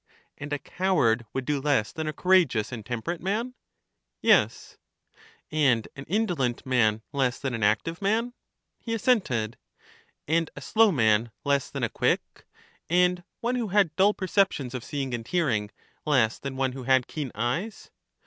And a coward would do less than a courageous and temperate man? Yes. 236 EUTHYDEMUS And an indolent man less than an active man? He assented. And a slow man less than a quick; and one who had dull perceptions of seeing and hearing less than one who had keen eyes?